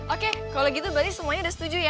oke kalau gitu berarti semuanya udah setuju ya